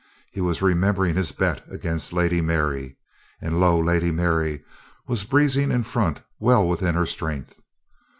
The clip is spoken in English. He was remembering his bet against Lady Mary, and lo, Lady Mary was breezing in front well within her strength.